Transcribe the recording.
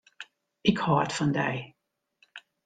Ik hâld fan dy.